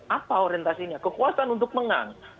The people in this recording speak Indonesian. apa orientasinya kekuasaan untuk menang